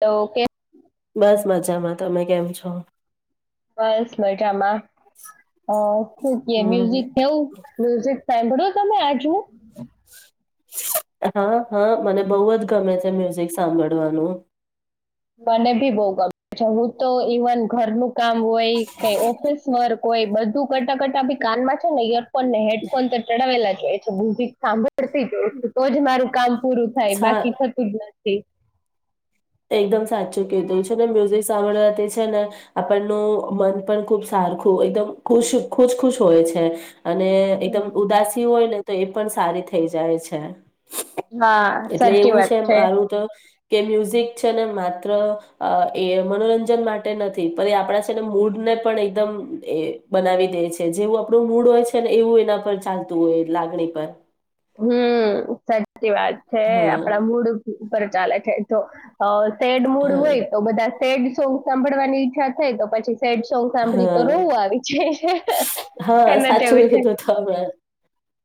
તો ઓકે. બસ મજામાં, તમે કેમ છો? બસ મજામાં અ શું કે હમ મ્યુઝિક કેવું, મ્યુઝિક સાંભળું તમે આજણુ? હા-હા મને બોઅજ ગમે છે મ્યુઝિક સાંભળવાનું. મને ભી બો ગમે છે હું તો ઈવન ઘરનું કામ હોય, કઈ ઓફિસ વર્ક કોય બધું કરતા-કરતા ભી કાનમાં છે, ને ઈયરફોન ને હેડફોન તો ચડાવેલા જ હોય છે બુમ્ઝિક સાંભળતી હોવ છું, તો જ મારું કામ પૂરું થાય સા બાકી થતું જ નથી. એક. એકદમ સાચું કીધું છે મ્યુઝિક સાંભળવાથી છે, ને આપણનું મન પણ ખુબ સારખું એકદમ ખુશ-ખુશ-ખુશ હોય છે, અને એકદમ હમ. ઉદાસી હોય ને તો અ પણ સારી થેજાય છે. હા એટલે સાચી એવું વાત છે. મારું તો કે મ્યુઝિક છે ને માત્ર અ એ મનોરંજન માટે નથી પણ એ આપળા છે, ને મૂડને પણ એકદમ એ બનાવી દે છે જેવું આપળુ મૂડ હોય છે, ને એવું એના પર ચાલતું હોય લાગણી પર. હમ્મ સા સાચી વાત છે, હા આપળા મૂડ ઉપર ચાલે છે એતો અ સેડ મૂડ હા હોય તો, બધા સેડ સો સાંભળવાની ઈચ્છા થાય તો પછી સેડ સોંગ સાંભળી તો હા રવું આવી જ હા એનાવું સાચું છે, કીધું તમે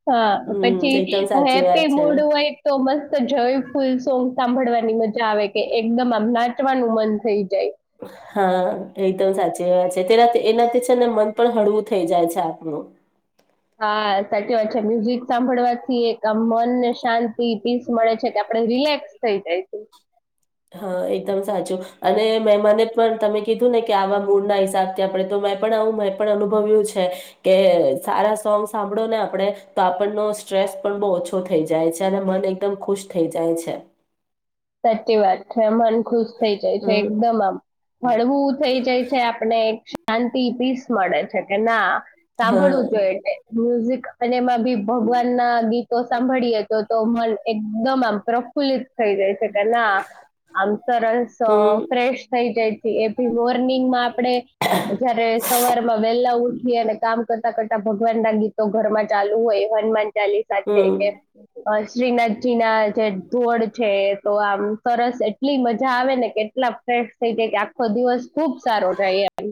હા, હમ પછી એકદમ અહ સાચી હેપી વાત છે મૂડ હોય તો મસ્ત જોય ફૂલ સોંગ સાંભળવાની મજા આવે કે એકદમ આમ નાચવાનું મન થઈ જાય. હા, એકદમ સાચી વાત છે. તેના એનાથી છે ને મન પણ હળવું થઈ જાય છે આપનું. હા, સાચી વાત છે. મ્યુઝિક સાંભળવાથી એક આમ મનને શાંતિ પીસ મળે છે કે આપડે રિલેક્સ થઇ જાય છે. હા, એકદમ સાચું અને મે મને પણ તમે કીધું ને કે આવા મૂડ ના હિસાબથી આપડે તો મે પણ આવું મે પણ અનુભવ્યું છે કે સારા સોંગ સાંભળો ને આપડે તો આપણનો સ્ટ્રેસ પણ બહુ ઓછો થઈ જાય છે અને મન એકદમ ખુશ થઈ જાય છે. સાચી વાત છે. મન ખુશ થઈ જાય છે હમ્મ. એકદમ આમ. હળવું થઇ જાય છે આપણે શાંતિ પીસ મળે છે કે ના સાંભળવું જો હા. એલે મ્યુઝિક ગા અને મન ભી ભગવાન ના બી તો સાંભળીએ તો તો મન એકદમ આમ પ્રફુલ્લિત થઈ જ કેના આમ સર રસ હમ્મ. ફ્રેશ થઈ જાય છે એ મોર્નિંગમાં આપડે, જયારે સવારમાં વેલા ઉઠ અને કામ કરતા કરતા ભગવાનના ગીતો ઘરમાં ચાલુ હોય હનુમાન ચાલીસા છે હમ્મ. કે અ શ્રીનાથજી ના જે ધોડ છે તો આમ સરસ એટલી મજા આવે ને કે એટલા ફ થઈ જાય કે આખો દિવસ ખુબ સારો થાય એમ.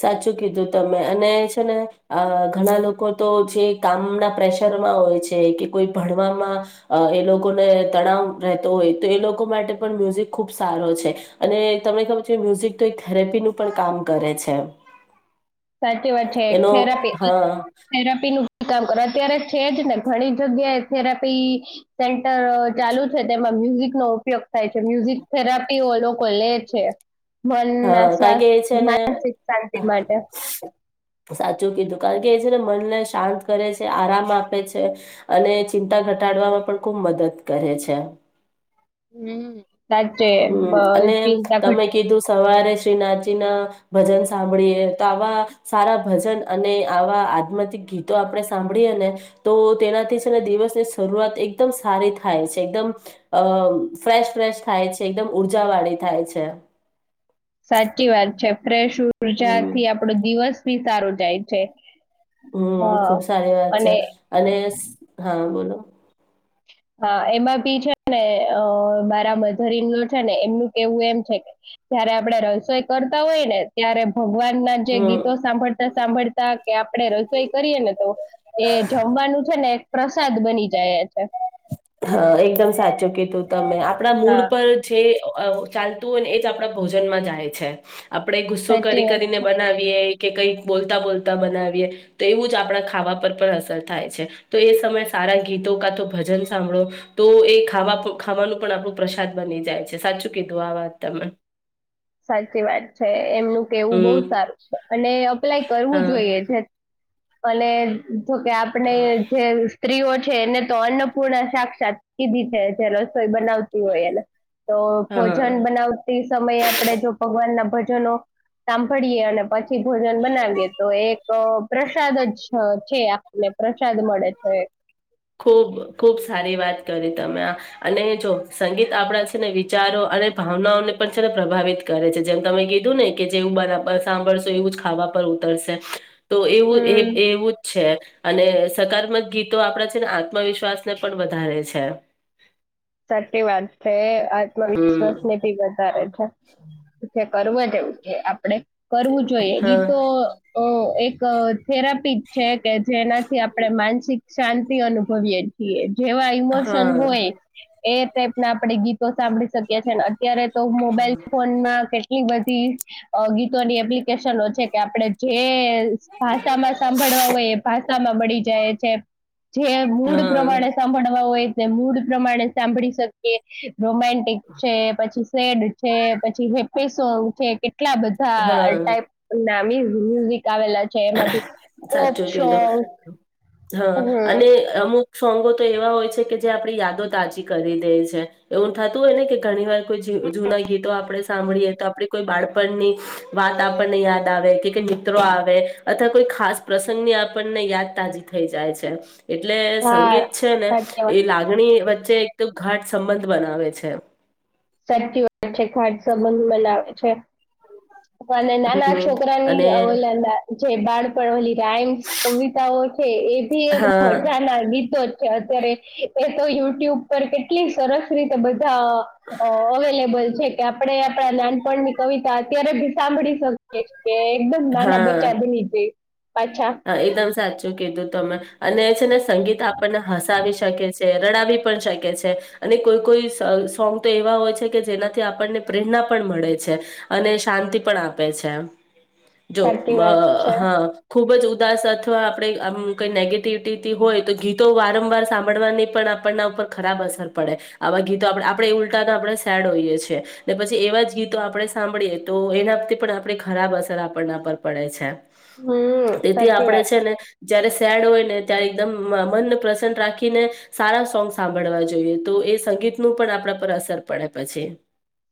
સાચું કીધું તમે અને ને અ, ઘણા લોકો તો જે કામના પ્રેશરમાં હોય છે કે કોઈ ભણવામાં એ લોકોને તણાવ રહેતો હોય તો એ લોકો માટે પણ, મ્યુઝિક ખુબ સારો છે, અને તમને ખબર છે મ્યુઝિક તો એક થેરેપીનું પણ કામ કરે છે. છે. સાચી વાત છે એનો થેરાપી હા થેરાપી નું કામ કર અત્યારે છે જ ને ઘણી જગ્યાએ થેરાપી સેન્ટર ચાલુ છે, તેમાં મ્યુઝિક નો ઉપયોગ થાય છે મ્યુઝિક થેરાપી ઓ લોકો લે છે. હા મનના કારણ કે સ્વાસ્થ એ છે ને માનસિક શાંતિ માટે. સાચું કીધું કારણ કે એ છેને મનને શાંત કરે છે આરામ આપે છે, અને ચિંતા ઘટાડવામાં પણ ખૂબ મદદ કરે છે. હમ. સાચે હમ બ- અને ચિંતા તમે ઘટ કીધું સવારે શ્રીનાથજી ના ભજન સાંભળીએ તો આવા સારા ભજન અને આવા આધમાથી ગીતો આપણે સાંભળીએ ને, તો તેનાથી છે ને દિવસની શરૂઆત એકદમ સારી થાય છે, એકદમ અ ફ્રેશ ફ્રેશ થાય છે. એકદમ ઉર્જા વાળી થાય છે. સાચી વાત છે. હમ ફેશર્જાથી આપડો દિવસ ફી સારું જાય છે. હમ હા ખુબ સારી વાત છે, અને અને હા બોલો. [inaudible] હા એમાં બી છે ને અ મારા મધર ઈન લો છે ને એમનું કેવું એમ છે કે, જયારે આપડે રસોઈ કરતા હોય ને ત્યારે ભગવાન ના જે હમ ગીતો સાંભળતા સાંભળતા કે આપડે રસોઈ કરીયે ને તો, એ જમવાનું છે ને પ્રસાદ બની જાય છે. હા એકદમ સાચું કીધું તમે આપડા મૂડ હા પર જે અ ચાલતું હોય ને એ જ આપડા ભોજનમાં જાય છે. આપડે ગુસ્સો સાચી કરી વાત કરીને છે બનાવીએ કે કંઈક બોલતા બોલતા બનાવીએ તો એવું જ આપણા ખાવા પર પણ અસર થાય છે તો એ સમય સારા ગીતો કાતો ભજન સાંભળો તો એ ખાવા પ ખાવાનું પણ આપણું પ્રસાદ બની જાય છે સાચું કીધું આ વાત તમે સાચી વાત છે એમનું કેવું બહુ હમ સારું છે અને અપ્લાય કરવું હા જોઈએ જે અને. જો કે આપને જે સ્ત્રીઓ છે એને તો અન્નપૂર્ણ સાક્ષાત કીધી છે જે રસોઈ બનાવતી હોય એને તો ભોજન હા બનાવતી સમયે. ભગવાન ના ભજનો સાંભળીએ અને પછી થી ભોજન બનાવીએ તો એક પ્રસાદ જ છે આપને પ્રસાદ મળે છે. ખુબ ખુબ સારી વાત કરી. તમે આ અને જો સંગીત આપણા છે ને વિચારો અને ભાવનાઓને પણ છેને પ્રભાવિત કરે છે જેમ તમે કીધું ને કે જેવું બ સાંભળશો એવું જ ખાવા પર ઉતરશે. તો એવું એ હમ એવું જ છે અને સકારત્મક ગીતો આપડા આત્મવિશ્વાસ ને પણ વધારે છે. સચી વાત છે. હમ આત્મવિશ્વાસ ને ભી વધારે છે. કરવા જેવું છે આપડે કરવું જોઈએ ઈ હા તો અ એક થેરાપી છે. કે જેનાથી આપણે માનસિક શાંતિ અનુભવીએ છીએ એ. જેવા ઇમોશન હા હોય. એ ટાઈપ ના આપણેે ગીતો સાંભળી શકીએ છીએ અને અત્યારે તો મોબાઈલ ફોનમાં કે કેટલી બધી ગીતોની એપ્લિકેશનો છે કે આપડે જે ભાષામાં સાંભળવા હોય એ ભાષામાં મળી જાય છે. જે હા મૂળ હા પ્રમાણે સાંભળવા હોય. એ મૂડ પ્રમાણે સાંભળી શકીએ. રોમેન્ટિક છે પછી સેડ છે પછી હે પેસો ઉઠે કે કેટલા બધા હા. ટાઈપ નામી હમ્મ. આવેલા છે એમાં ભી કોપ સાચું કીધું છોક હા હમ્મ. અને અમુક સોંગો તો એવા હોય છે કે જે આપણી યાદો તાજી કરી દે છે એવું થતું હોય ને કે ઘણી વાર કોઈ જુ જૂના ગીતો આપણે સાંભળીએ તો આપડે કોઈ બાળપણની વાત આપણને યાદ આવે કે કઈ મિત્રો આવે. અથવા કોઈ ખાસ પ્રસંગની આપણને યાદ તાજી થઈ જાય છે. એટલે સંગીત છે ને સાચી એ વાત લાગણી વચ્ચે એક તો ઘાટ સંબંધ બનાવે છે. સાચી વાત છે ખાટ સંબંધ બનાવે છે. અને નાના હમ છોકરાની અને અલના જે બાળપણ ઓલી રાઈમ્સ કવિતાઓ છે એ બી એક હા મજા ના ગીતો જ કે અત્યારે એ તો યુટ્યુબ પર કેટલી સરસ રીતે બધા અ અવેલેબલ છે કે આપણે આપણા નાનપણની કવિતા અત્યારે સાંભળી શકએ. કે એકદમ ના ના હા બચા [unintelligible] દે. હા એકદમ સાચ ચૂ કીધું તમે અને છે ને સંગીત આપણને હસાવી શકે છે. રડાવી પણ શકે છે અને કોઈ કોઈ સોંગ તો એવા હોય છે કે જેનાથી આપણને પ્રેરણા પણ મળે છે અને શાંતિ પણ આપે છે. જો સાચી મ અ વાત છે હા. ખૂબ જ ઉદાસ અથવા આપણે આમ કઈ નેગેટિવિટી તી હોય તો ગીતો વારંવાર સાંભળવાની પણ આપણના ઉપર ખરાબ અસર પડે આવા ગીતો આપણે ઉલટાને આપણે સેડ હોઈએ છીએ ને પછી એવા જ ગીતો આપણે સાંભળીએ તો એનાથી પણ આપણે ખરાબ અસર આપણના પર પડે છે. હમ તેથી સાચી વાત આપડે છે ને જયારે સેડ હોય ને ત્યારે એકદમ મનને પ્રસન્ન રાખીને સારા સોંગ સાંભળવા જોઈએ તો એ સંગીતનું પણ આપણા પર અસર પડે પછી.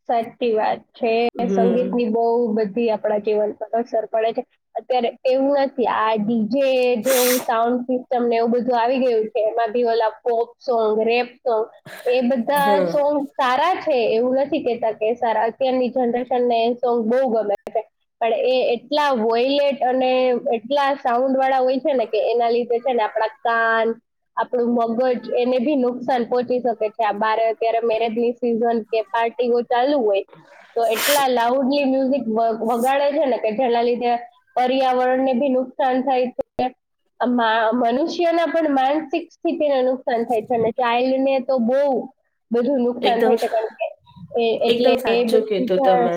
સાચી વાત છે હમ સંગીતની બહ બધી આપણા જીવન પર અસર પડે છે. અત્યારે એવું નથ કે આ ડી જેે જેવું સાઉન્ડ પ્રૂફ તમને એવું બધું આવી ગયું છે એમાં ભી ઓલા પોપ સોંગ રેપ [unintelligible] તો એ બધા હા સોંગ સારા જ થે એવું નથ નથી કેતા કે અત્યારની જનરેશન ને એ સોંગ બહુ ગમે છે પણ એ એટલા વોયલેટ અને એટલા સાઉન્ડ વાળા હોય છે ને કે એના લીધે છે ને આપણા કાન આપણું મગજ એને બી નુકસાન પોહોંચી શકે છે આ બાળક અત્યારે મેરેજની સિઝન પાર્ટી હોત ચાલુ હોય તો એટલા લાઉડલી મ્યુઝિક. વ વગાડે છે ને કે જેના લીધે પર્યાવરણ ને બી નુકસાન થાય છે મા મનુષ્યના પણ માનસિક સ્થિતિ ને નુકસાન થાય છે અને ચાઈલ્ડ ને તો બોવ બધું નુકસાન એકદમ થાય છે કારણ એ એટલે એકદમ એ સાચું બધું કીધું તા તમે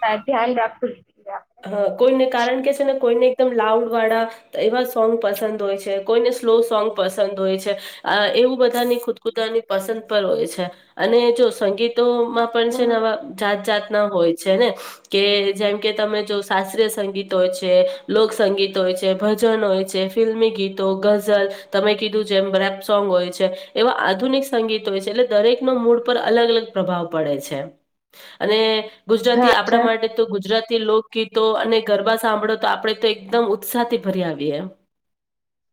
તા ધ્યાન રાખવું આપણે હા કોઈને કારણ કે છે ને કોઈને એકદમ લાઉડ વાળા એવા સોંગ પસંદ હોય છે. કોઈને સ્લો સોંગ પસંદ હોય છે અ એવું બધાની ખુદ પોતપોતાની ની પસંદ પણ હોય છે અને જો સંગીતો માં પણ છે હમ નવા જાત જાત ન હોય છે ને કે જેમ કે તમે જો શાસ્ત્રીય સંગીત હોય છે લોકસંગીત હોય છે ભજન હોય છે ફિલ્મી ગીતો ગઝલ તમે કીધું જેમ રેપ સોંગ હોય છે એવા આધુનિક સંગીત હોય છે એટલે દરેકનો મૂડ પર અલગ અલગ પ્રભાવ પડે છે અને હા ગુજરાતી છે આપણા માટે તો ગુજરાતી લો ગીતો અને ગરબા સાંભળો તો આપડે તો એકદમ ઉત્સાહથી ભરી આવીએ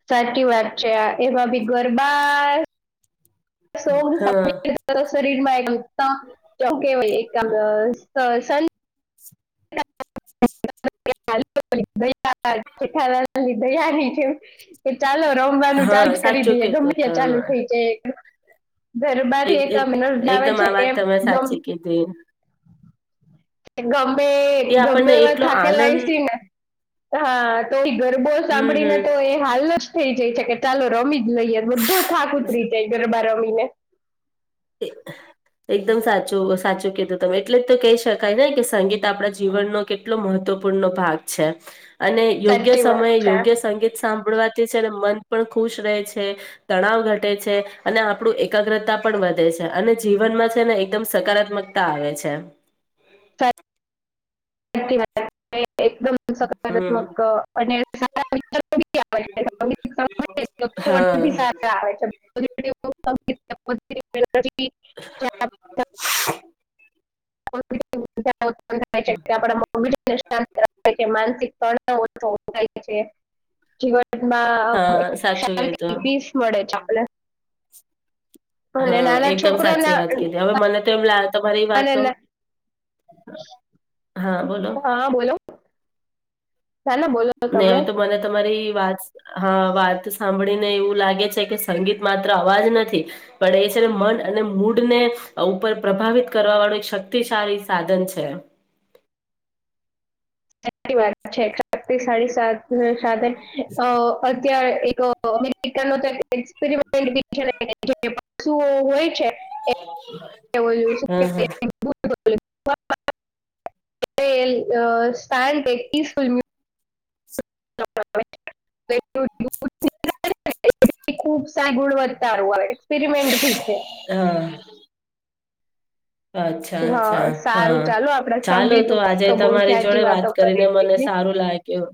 સાચી વાત છે આ એમાં બી ગરબા [unintelligible] હા શરીરમાં કે એક [unintelligible] [unintelligible] જેઠાલાલ ની દયા ની જેમ કે ચાલો રમવાનું હા ચાલુ કરી સાચું દઈએ ગમે કીધું ત્યા ચાલુ તમે થઈ જાય. ગરબાથી એક અમ એનજી આવે એકદમ છે આ વાત એમ તમે મમ સાચી કીધી ગમે એ ગમે આપણને એવા એટલો થાકેલાા આનંદ હશે ને હા તો ગરબો હમ હમ સાંભળીને તો એ હાલો થઈ જઈ છેકે ચાલો રમી લઈએ બધો થાક ઉતરી જાય ગરબા રમી- ને એ એકદમ સાચું સાચું કીધું તમે એટલે તો કહી શકાય ને કે સંગીત આપડા જીવનનો કેટલો મહત્વપૂર્ણ ન ભાગ છે. અને યોગ્ય સાચી વાત સમયે છે યોગ્ય સંગીત સાંભળવા તે છે ને મન પણ ખુશ રહે છે તણાવ ઘટે છે અને આપણું એકાગ્રતા પણ વ ધે છે અને જીવનમાં છે ને એકદમ સકારાત્મકતા આવે છે. [inaudible] એકદમ હમ સકારાત્મક અને સારા હા [unintelligible] [inaudible] [inaudible] [inaudible] [inaudible] ઉત્પન થાય છે કે [unintelligible] [inaudible] માનસિક તનાવ ઓછો થાય છે જીવન માં હા સાચું કીધું [unintelligible] મળે છે. [inaudible] અને હા નાના એકદમ સાચી છોકરોના વાત કીધી હવે મને તો એમ લાગે તમારી અને વાતો ના- હા બોલો [inaudible] નહી તમે હવે તો મને તમારી વાત હા વાત સાંભળીને એવું લાગે છે કે સંગીત માત્ર અવાજ નથી પણ એ છે મન અને મૂડ ને ઉપર પ્રભાવિત કરવા વાળું એક શક્તિશાળી સાધન છે. સાચી વાત છે શક્તિશાળી સા ધન સાથે અ અ ત્યારે એક અમેરિકા ન તો એક્સપેરમેન્ટ [inaudible] હોય છે. એ ઓલું શું હમ હમ કહેવાય [inaudible] શાંત [unintelligible] ફિલ્મી [inaudible] [inaudible] [inaudible] ખૂબ સા ગુડવતરુ આવે પિરિમેન્ટ બી છે. હમ હા અચ્છા હા અચ્છા હા સારું ચાલો આપણે ચાલો સંગીત તો ઉપર આજે બહુ તમારી જાજી જોડે વાત વાતો કરીને કરી મને દીધી સારું લાગ્યું.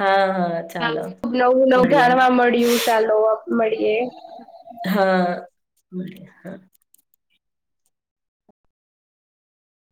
હા હા ખુબ નવું નવું મળીએ જાણવા મળ્યું ચાલો મળીએ હા